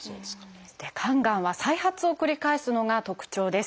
肝がんは再発を繰り返すのが特徴です。